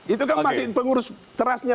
itu kan masih pengurus terasnya